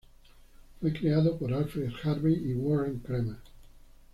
Fue creado por Alfred Harvey y Warren Kremer.